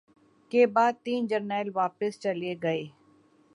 کے بعد تین جرنیل واپس چلے گئے